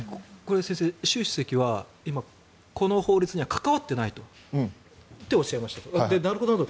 先生、習主席はこの法律には関わっていないとおっしゃいましたと。